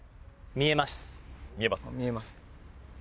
見えます。